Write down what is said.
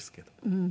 うん。